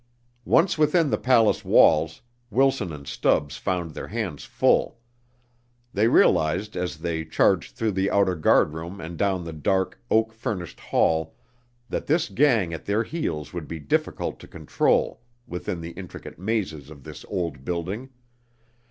Once within the palace walls, Wilson and Stubbs found their hands full. They realized as they charged through the outer guardroom and down the dark, oak furnished hall that this gang at their heels would be difficult to control within the intricate mazes of this old building.